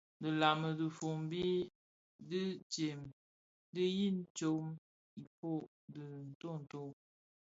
Dhilaň dhifombi dintsem di yin tsom ifog dhi ntonto.